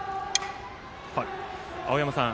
青山さん